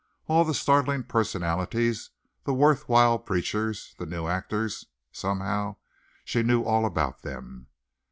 All the startling personalities, the worth while preachers, the new actors, somehow she knew all about them.